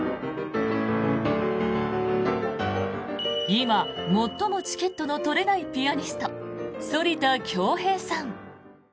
今、最もチケットの取れないピアニスト、反田恭平さん。